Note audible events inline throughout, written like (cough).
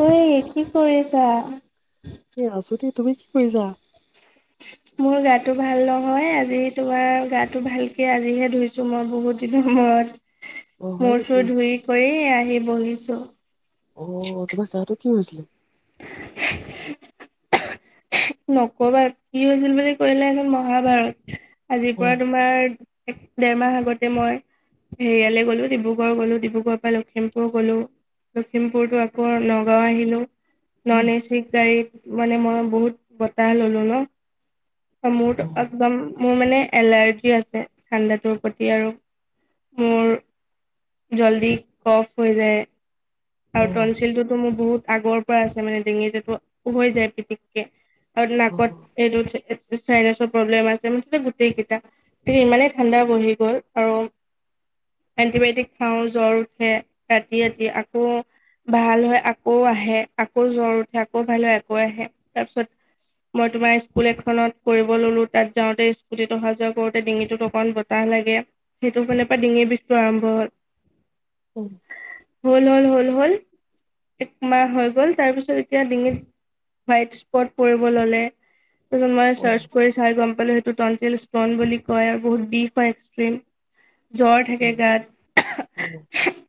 ঐ কি কৰি আছা? এ আছো দে তুমি কি কৰিছা? মোৰ গাটো ভাল নহয় আজি তোমাৰ গাটো ভালকে আজিহে ধুইছো মই বহুত দিনৰ মূৰত। অ হয় মূৰ নেকি চূৰ ধুই কৰি আহি বহিছো। অ। অ তোমাৰ তাহো কি হৈছিলে? (unintelligible) নকবা কি হৈছিল বুলি কলে এখন মহাভাৰত। আজিৰ অ পৰা তোমাৰ এক দেৰমাহ আগতে মই হেৰিয়ালে গলো ডিব্ৰুগড় গলো, ডিব্ৰুগড়ৰ পৰা লখিমপুৰ গলো, লখিমপুৰতো আকৌ নগাঁও আহিলো। নন উম এচি গাড়ীত মানে মই বহুত বতাহ ললো ন। অ মূৰ টো একদম মোৰ মানে এলাৰ্জি আছে ঠাণ্ডাটোৰ প্ৰতি আৰু মোৰ জল্দি কফ হৈ যায়। অ আৰু তলচিলটোতো মোৰ বহুত আগৰ পৰা আছে মানে ডিঙিটোটো হৈ যায় পিতিককে। আৰু অ নাকত এইটো চাইনাছৰ প্ৰব্লেম আছে মুঠতে গোটেই কেইটা ইমানেই ঠাণ্ডা বহি গল আৰু এণ্টিবায়টিক খাওঁ জ্বৰ উঠে ৰাতি ৰাতি আকৌ ভাল হয় আকৌ আহে, আকৌ জ্বৰ উঠে আকৌ ভাল হয় আকৌ আহে, তাৰপিছত মই তোমাৰ স্কুল এখনত কৰিব ললো তাত যাওঁতে স্কুটিত অহা যোৱা কৰোতে ডিঙিটোত অকন বতাহ লাগে সেইটো ফালৰ পৰা ডিঙিৰ বিষটো আৰম্ভ হল। অ হল হল হল একমাহ হৈ গ'ল তাৰপিছত এতিয়া ডিঙিত হোৱাইট স্পট পৰিব ললে। তাৰপাছত মই অ চাৰ্চ কৰি চাই গম সেইটো টনচিল ষ্টোন বুলি কয় আৰু বহুত বিষ হয় এক্স্ৰিম। জ্বৰ অ অ থাকে অ গাত।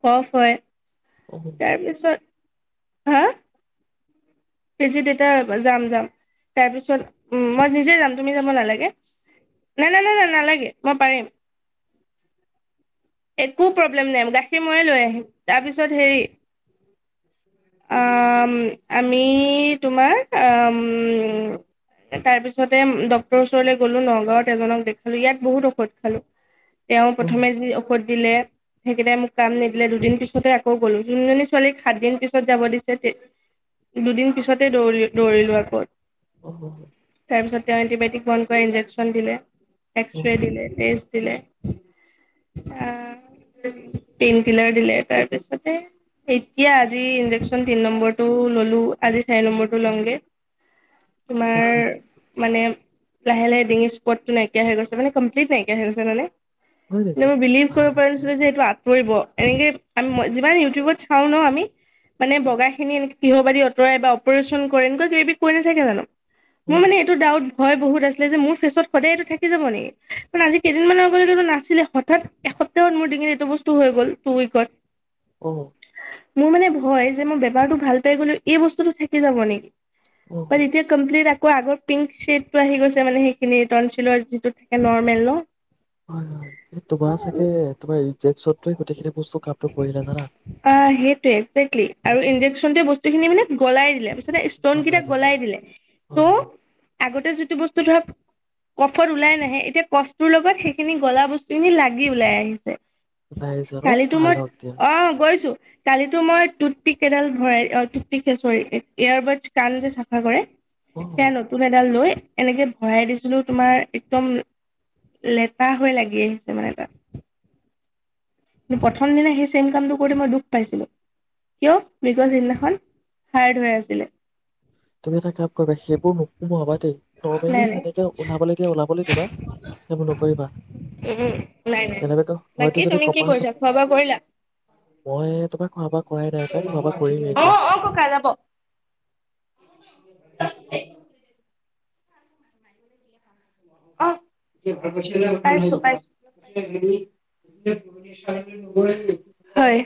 কফ হয়। তাৰপিছত হা? পিছে তেতিয়া মই যাম-যাম, তাৰপিছ মই নিজে যাম তুমি যাব নালাগে। না-না-না-না নালাগে, মই পাৰিম। একো প্ৰব্লেম নাই গাখীৰ মই লৈ আহিম তাৰপিছত হেৰি আ-ম-আ-ম আমি তোমাৰ আ-ম, তাৰপিছতে উম, ডক্তৰৰ ওচৰলৈ গ'লো, নগাঁওত এজনক দেখালো। ইয়াত বহুত ঔষধ খালো তেওঁ প্ৰথমে যি ঔষধ দিলে সেইকেইটাই মোক কাম নিদিলে, দুদিন পিছতে আকৌ গ'লো। যোনজনী ছোৱালীক সাতদিন পিছত যাব দিছে তে দুদিন পিছতে দৌৰি-দৌৰিলো আকৌ। অ অ, তাৰপিছত তেওঁ এণ্টিবায়টিক বন কৰি ইঞ্জেকচন দিলে। অ, এক্সৰে দিলে (unintelligible) দিলে, আ-পেইনকিলাৰ দিলে তাৰপিছতে। এতিয়া আজি ইনজেকচন তিন নম্বৰটো ল লো, আজি চাৰি নম্বৰটো লমগে। আচ্ছা আচ্ছা তোমাৰ মানে লাহে লাহে ডিঙি স্পতটো নাইকিয়া হৈ গৈছে, মানে কমপ্লিট নাইকিয়া হৈ গছে মানে। হয় এ নেকি মই বিলিভ ভাল কৰিব পাৰা এতিয়া নছিলো যে এইটো আঁতৰিব। এনেকে আ-মই যিমান ইউটিউবত চাও ন আমি মানে অ বগাখিনি এনেক কিহবাযি অত অতৰাই বা অপাৰেচন কৰিব, এনেকুৱা কিবা কিবি কৰি নাথাকে জানো? অ মোৰ মানে এইটো ডাউট ভয় বহুত আছিলে যে, মোৰ ফেচত সদায় এইটো থাকি যাব নেকি, কাৰণ আজি কেইদিনমানৰ আগলৈকেো নাছিলে হঠাৎ এসপ্তাহত মোৰ ডিঙিত এইটো বস্তু হৈ গ'ল টু, উইকত। অ'। মোৰ মানে ভয় যে, মই বেমাৰটো ভাল পাই গ'লো এই বস্তুতটো থাকি যাব নে অ, বাত এতিয়া কমপ্লিট আ আকৌ আগৰ পিংক শ্বেডটো আহি গৈছে মানে সেইখিনি টনচিলৰ যিটো থাকে নৰ্মেল ন হয়, হয় এই তোমাৰ চাগে তোমাৰ‌ ইনজেকচনটোৱে গোটেইখিনি বস্তু কামটো কৰিলে জানা। অ', সেইটোৱে গোটেইখিনি মানে গলাই দিলে ষ্টন কিটা গলাই দিলে, হয় হয় ত' আগত তাতে যিটো বস্তু ধৰক কফত ওলাই নাহে, এতিয়া কফটোৰ লগত সেইখিনি গলা বস্তুখিনি লাগি ওলাই আহিছে। ওলাই আহিছে ন কালিতো ভাল মই হওক দিয়া অ', গৈছোঁ কালিতো মই টুথ পিক এডাল ভৰাই অ' (unintelligible) চৰি এয়াৰবাদচ কান যে, চাফা কৰে। অ সেয়া নতুন এডাল লৈ এনেকে ভৰাই দিছিলোঁ, তোমাৰ একদম লেটা হৈ লাগি আহিছে মানে তাত। কিন্ত প্ৰথম দিনা সেই চেইম কামটো কৰি মই দুখ পাইছিলোঁ, কিয় বিকজ সিদিনাখন হাৰ্ড হৈ আছিলে। তুমি এটা কাম কৰিবা সেইবোৰ নুসোমাবা দেই নাই নৰ্মেলি নাই। যেনেকে ওলাবলৈ দিয়া ওলাবলৈ দিবা সেইবোৰ নকৰিবা উম নাই নাই কেনেবাকৈ বাকী হয়তো যদি তুমি কপাল কি কৰিছা খোৱা বোৱা কৰিলা? তোমাৰ খোৱা বোৱা কৰাই নাই পাই খোৱা বোৱা কৰিমেই এতিয়া অহ অহ ককা ৰব। । (unintelligible) অ পাইছো পাইছো হয়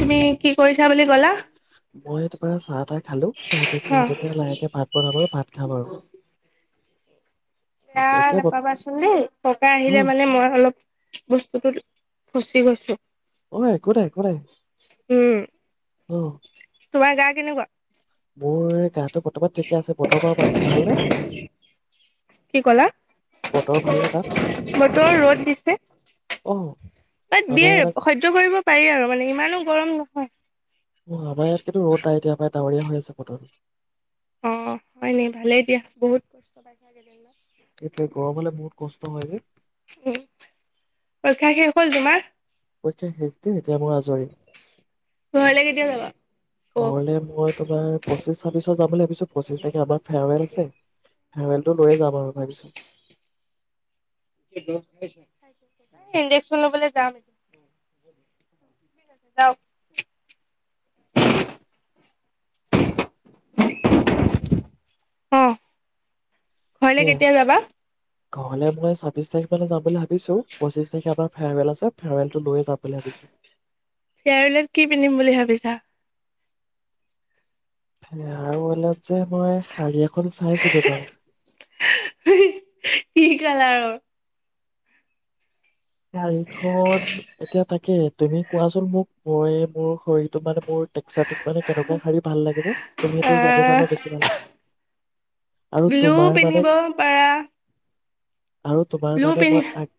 তুমি কি কৰিছা বুলি কলা? মই এতি চাহ তাহ খালো তাৰ অ পিছত এতিয়া লাহেকে ভাত বনাব আৰু ভাত খাম আও বেয়া নাপাবাচোন দেই ককা আহিলে অ মানে মই অলপ বস্তুটো ফচি গৈছো। অ একো নাই - একো নাই উম অহ। তোমাৰ গা কেনেকুৱা? মোৰ গাত কি কলা বতৰ ভালনে তাত বতৰৰ ৰ'দ দিছে অ এ আমাৰ ইয়াত বিয়েত আক- সহ্য কৰিব পাৰি আৰু মানে ইমানো গৰম নহয়। অ আমাৰ ইয়াত কিন্তু ৰ'দ নাই এতিয়া আমাৰ ডাৱৰীয়া হৈ আছে বতৰ- অ হয় নি ভালেই দিয়া বহুত ত' পাইছা গেবেন ন এতিয়া গৰম হলে বহুত কষ্ট হয় ন উম পৰীক্ষা শেষ হ'ল তোমাৰ কচে হে্তুন এতিয়া মোৰ আজৰি ঘৰলে কেতিয়া যাবা অ ঘৰলে মই তোমাৰ পঁচিশ ছাব্বিশ যাম বুলি ভাবিছো পঁচিশ তাৰিখে আমাৰ ফেয়াৰৱেল আছে ফেয়াৰৱেলটো লৈয়ে যাম আৰু ভাবিছ ৰেষ্ট পাইছা ইশজেকচন লবলৈ যাম অহ অহ সেয়াই ঘৰলে মই চাবিছ তাৰিখলে যাবলৈ হেইটো চিৱৰ পঁছিছ তাৰিখ আমাৰ ফেয়াৰৱেল আছে ফেয়াৰ ফেয়াৰৱেলত কি পিন্ধিম বুলি ভাবিছা মলত যে মই শাৰী এখন চাইছিলো বাৰু কি কালালৰ শাৰীখন এতিয়া তাক কিয় তুমি কোৱাচোন মোক মই মোৰ শৰীৰটো মানে মোৰ টেকচাৰতোত মানে কেনেকুৱা শাৰী ভাল লাগিব তুমি সেইটো জানি আহ ললে বেছি ভাল আৰু ব্লু তোমাৰ মানে পিন্ধিব পাৰা আৰু তোমাৰ ব্লু মানে পিন্ধি মই আগ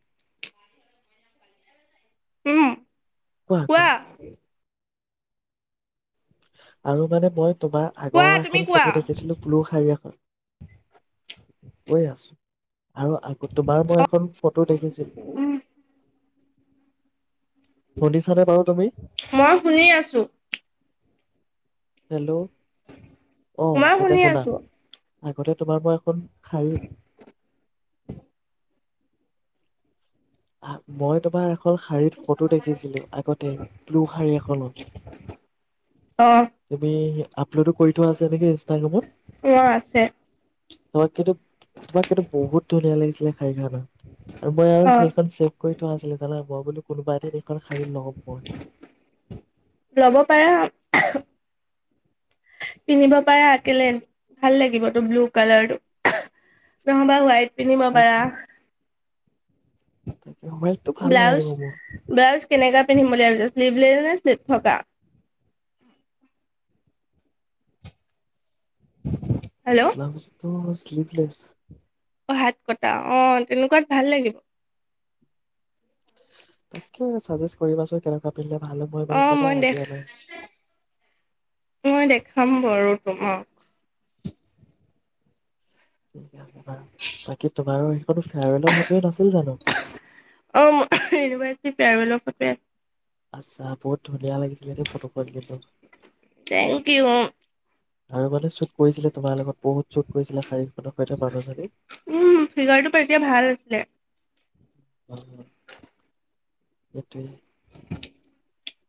উম কোৱা আৰু মানে মই ত বা কোৱা আগৰ তুমি এখন কোৱা ফটো দেখিছিলো পুলু শাৰী এখন কৈ আছো আৰু আগ ত বাও মই এখন ফটো দেখিছিল উম তুমি? মই শুনি আছো। হেল্ল'। অহ মই তেনে শুনি শুনা। আছো আগতে তোমাৰ মই এখন শাৰী মই তোমাৰ এখন শাৰীত ফটো দেখিছিলো আগতে ব্লু শাৰী অ এখনত। তুমি আপলোডো কৰি থোৱা আছা নেকি ইনষ্টাগ্ৰামত। মোৰ আছে ত কিটোব তোমাক কিন্তু বহুত ধুনীয়া লাগিছিলে শাৰী খানাত আৰু মই আৰু অ সে কৰি থোৱা আছিলে জানা মই বোলো কোনোবা এটে (unintelligible) কাৰণ শাৰীৰ লগত ল'ব পাৰা (unintelligible) পিন্ধিব পাৰে আকলে ভাল লাগিব তো ব্লু কালাৰটো নহবা হোৱাইট। পিন্ধিব পাৰা। তাকে তাকে হোৱাইটটো ভাল ব্লাউছ নালাগিব মোৰ ব্লাউছ কেনেকা পিন্ধিম বুলি ভাবিছ শ্নিভলি নে শ্লিভ থকা হেল্ল' (unintelligible) অ স্লিপলেছ অ হাত কটা অ তেনেকুৱাত ভাল লাগিব তাকে চাজেষ্ট কৰিবাচোন কেন পিন্ধিলে ভাল মই ইমান অ মানে মই আই দেখ দিয়া নাই খাম বাৰু তোমাক উম বাৰু বাকী তোমাৰো সেইখনো ফেয়াৰেল ফটোৱে নাছিল জানো টি ফেয়াৰৱেল ফটোৱে আচ্ছা বহুত ধুনীয়া লাগিছিলে দেই ফটো খন কিন্তু থেংক ইউ আৰু মানে চুপ কৰিছিলে তোমাৰ লগত বহুত চোত কৰিছিলে শাৰীখনৰ সৈতে মানুহজনী উম ফিগাৰটো তেতিয়া ভাল আছিলে অহ সেইটোৱে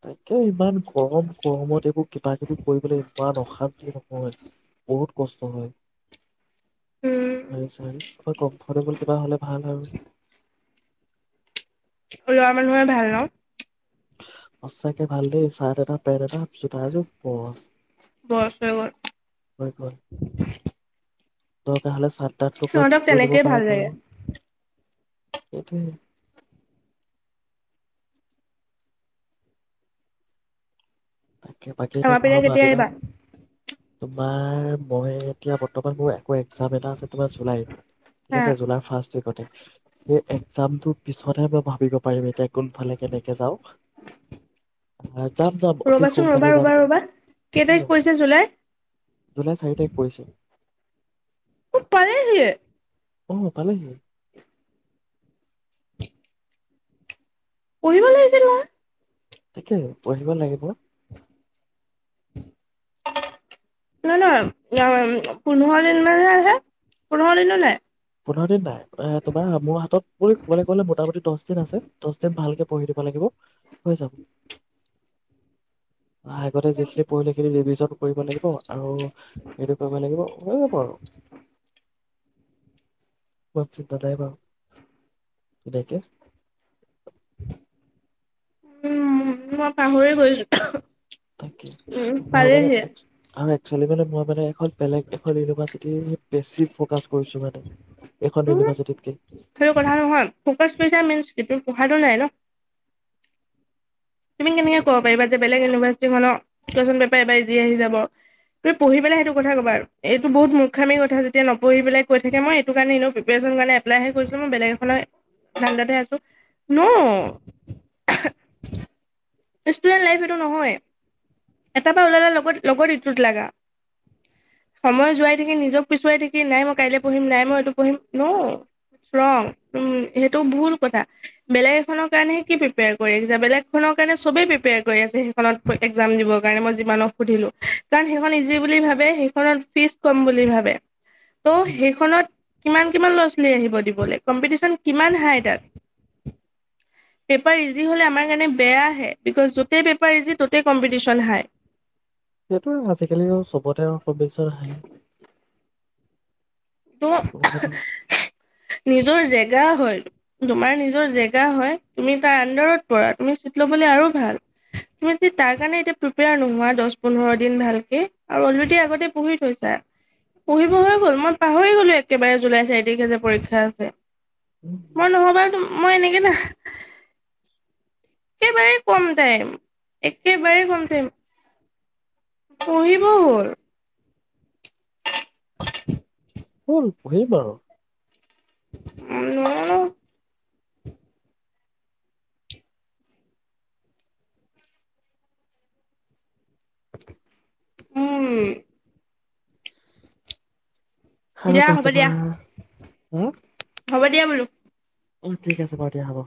তাকে ইমান গৰম গৰমত এইবোৰ কিবা কিবি কৰিবলে ইমান অশান্তি নহয় বহুত কষ্ট উম হয় চাৰ কিবা কমফৰ্টেবল কিবা হ'লে ভাল আৰু ওলোৱা মানুহে ভাল ন সঁচাকে ভাল দে (unintelligible) বয়স হৈ গ'ল (unintelligible) হৈ গ'ল দৰকাৰ হ'লে (unintelligible) সিহঁতক ঠিক কৰি ল'ব তেনেকেই পাৰে‌ ভাল লাগে (unintelligible) সেইটোৱে। তাকে, বাকী এতিয়া আমাৰ পিনে ঘৰৰ মা কেতিয়া আহিবা দেউতাহঁত তোমাৰ, মই এতিয়া বৰ্তমান (unintelligible) একজাম এটা আছে তোমাৰ জুলাই, ঠিক হা আছে, জুলাই ফ্ৰষ্ট ওইকতে, একজামটো পিছতহে মই ভাবিব পাৰিম এতিয়া কোনফালে কেনেকে যাওঁ, আ, যাম, যাম। অতি ৰ'বাচোন ৰ'বা, সোনকালে ৰ'বা, যাম ৰ'বা অ কেই তাৰিখ পৰিছে জুলাই? জুলাই চাৰি তাৰিখ পৰিছে পালেহিয়ে অ', পালেহিয়ে। পঢ়িব লাগিছিল নহয় তাকে, পঢ়িব লাগিব। ন, ন, পোন্ধৰ দিন মানহে আছে, পোন্ধৰ দিনো নাই। পোন্ধৰ দিন নাই এ, তোমাৰ মোৰ হাতত বুলি ক'বলৈ গ'লে মোটামুটি দচ দিন আছে, দচ দিন ভালকে পঢ়ি দিব লাগিব হৈ যাব। আগতে যিখিনি পঢ়িলোঁ সেইখিনি ৰিভিজন কৰিব লাগিব, আৰু (unintelligible) কৰিব লাগিব হৈ যাব আৰু ইমান চিন্তা নাই বাৰু, তেনেকে উম, মই পাহৰি গৈছোঁ তাকে, মই মানে আমে। খেলিবলৈ মাত। মানে এখন বেলেগ এখন ইউনিভাৰ্চিটি বেছি ফকাচ কৰিছো মানে এখন উম ইউনিভাৰ্চিটিতকে। সেইটো কথা কোনো নাই ন। তুমি কেনেকে ক'ব একচুৱেলি। পাৰিবা যে বেলেগ ইউনিভাৰ্চিটিৰখন কুৱেশ্যন পেপাৰ এবাৰ ইজি আহি যাব। তুমি পঢ়িবানে সেইটো কথা কবা, আৰু এইটো বহুত মূখামিৰ কথা যেতিয়া নপঢ়ি পেলাই কৈ থাকে মই এইটো কাৰণে এনে প্ৰিপেশ্যন কাৰণে এপ্লাইহে কৰিছিলো মই বেলেগ এখননৰ ধান্দাতে আছোঁ ন। ষ্টুডেন্ট লাইফ এইটো নহয়, এটাৰ পৰা ওলালে লগত লগত ইটোত লগা সময় যোৱাই থাকি নিজক পিছোৱাই থাকিলে মই কাইলৈ পঢ়িম নাই মই এইটো পঢ়িম ন ৰং উম সেইটো ভুল কথা বেলেগ এখনৰ কাৰণেহে কি প্ৰিপেয়াৰ কৰি আছা বেলেগ এখনক। চবে প্ৰিপেয়াৰ কৰি আছে সেইখনত এক্সাম দিব কাৰণে মই যিমানক সুধিলোঁ কাৰণ সেইখন ইজি বুলি ভাবে কাৰণ সেইখনত ফ্ৰিছ কম বুলি ভাবে টো উম, হেইখনত কিমান কিমান ল'ৰা ছোৱালী আহিব দিবলৈ কম্পিটিচন কিমান হাই তাত পেপাৰ ইজি হ'লে আমাৰ কাৰণে বেয়া হে বিকজ য'তেই পেপাৰ ইজি ত'তেই কম্পিটিচন হায়। সেইটোৱে ভাল চেকেলিনত চবতে আৰু শোভেছাৰ হাঁহে। তোৰ উম, নিজৰ যে। বেয়া হয়লট তোমাৰ নিজৰ জেগা হয় তুমি তাৰ আনডাৰত পৰা তুমি চিট ল'বলৈ আৰু ভাল তুমি যি তাৰ কাৰণে এতিয়া প্ৰিপেয়াৰ নোহোৱা দহ পোন্ধৰ দিন ভালকে আৰু অলৰেডি আগতে পঢ়ি থৈছা পঢ়িব হৈ গ'ল মই পাহৰি গলি একেবাৰে জুলাই চাৰি তাৰিখে যে পৰীক্ষা আছে। মই নহ'বা তোম মই এনেকে না একেবাৰে কম টাইম, একেবাৰেই কম টাইম। পঢ়িব হ'ল (inaudible) হল পঢ়িম আৰু উম উম আৰু দিয়া কোৱা হ'ব দিয়া তোমাৰ হা হ'ব দিয়া বোলো অ ঠিক আছে বাৰু দিয়া হ'ব